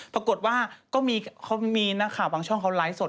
ปรากฏว่าก็มีนะครัวบางช่องเค้าไล่สด